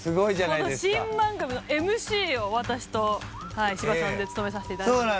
この新番組のＭＣを私と芝さんで務めさせていただく事に。